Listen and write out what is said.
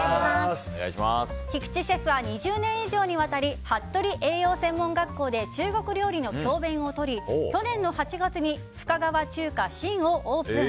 菊池シェフは２０年以上にわたり服部栄養専門学校で中国料理の教鞭をとり去年の８月に深川中華Ｓｈｉｎをオープン。